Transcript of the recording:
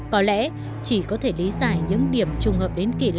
có lẽ chỉ có thể lý giải những điểm trùng hợp